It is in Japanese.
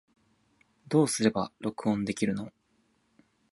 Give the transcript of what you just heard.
どうすれば録音できるの